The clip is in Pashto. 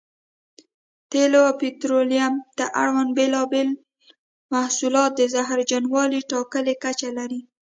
تېلو او پټرولیم ته اړوند بېلابېل محصولات د زهرجنوالي ټاکلې کچه لري.